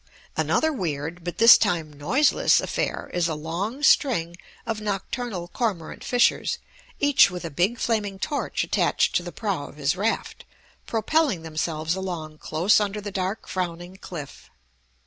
Another weird, but this time noiseless, affair is a long string of nocturnal cormorant fishers, each with a big, flaming torch attached to the prow of his raft, propelling themselves along close under the dark frowning cliff.